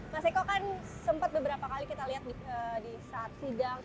mas eko kan sempat beberapa kali kita lihat di saat sidang